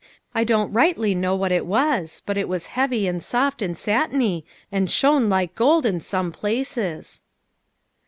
I don't rightly know what it was, but it was heavy, and soft, and satiny, and shone like gold, in some places."